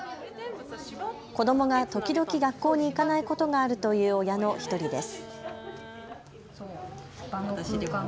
子どもが時々学校に行かないことがあるという親の１人です。